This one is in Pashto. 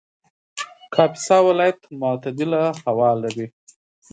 کاپیسا ولایت معتدله هوا لري